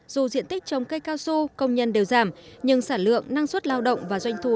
dù diện tích trồng cây cao su công nhân đều giảm nhưng sản lượng năng suất lao động và doanh thu